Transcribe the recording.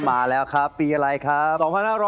มาแล้วครับปีอะไรครับ